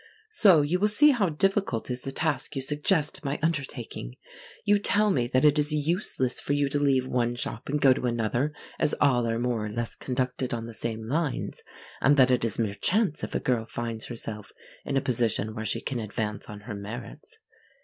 So you will see how difficult is the task you suggest my undertaking. You tell me that it is useless for you to leave one shop and go to another, as all are more or less conducted on the same lines; and that it is mere chance if a girl finds herself in a position where she can advance on her merits.